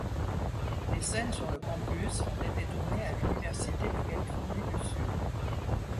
Les scènes sur le campus ont été tournées à l'Université de Californie du Sud.